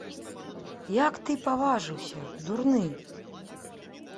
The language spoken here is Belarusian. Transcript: Як ты паважыўся, дурны?